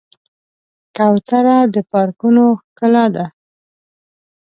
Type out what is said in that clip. کوتره د پارکونو ښکلا ده.